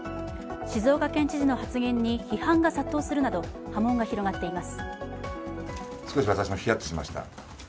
静岡県知事の発言に批判が殺到するなど波紋が広がっています。